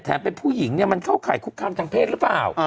เป็นผู้หญิงเนี่ยมันเข้าข่ายคุกคามทางเพศหรือเปล่า